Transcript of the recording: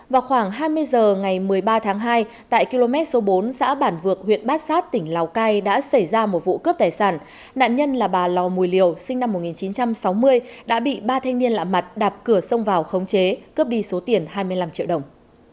vào khoảng hai mươi h ngày một mươi ba tháng hai tại km số bốn xã bản vược huyện bát sát tỉnh lào cai đã xảy ra một vụ cướp tài sản nạn nhân là bà lò mùi liều sinh năm một nghìn chín trăm sáu mươi đã bị ba thanh niên lạ mặt đạp cửa sông vào khống chế cướp đi số tiền hai mươi năm triệu đồng